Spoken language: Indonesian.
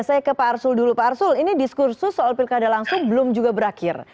saya ke pak arsul dulu pak arsul ini diskursus soal pilkada langsung belum juga berakhir